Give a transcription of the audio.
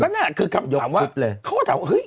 ก็น่าจะคือคำถามว่าเขาถามว่าเฮ้ย